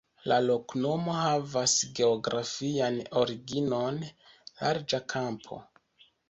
La loknomo havas geografian originon: larĝa kampo.